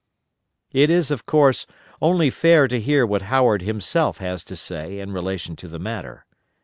It is, of course, only fair to hear what Howard himself has to say in relation to this matter.